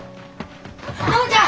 父ちゃん！